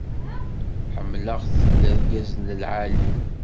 Ḥemmleɣ-t, d argaz lɛali.